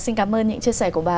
xin cảm ơn những chia sẻ của bà